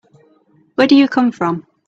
Where do you come from?